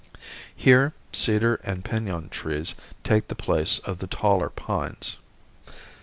Here cedar and pinon trees take the place of the taller pines.